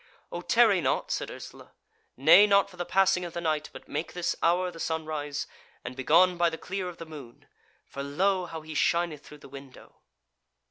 "O tarry not," said Ursula; "nay, not for the passing of the night; but make this hour the sunrise, and begone by the clear of the moon. For lo! how he shineth through the window!"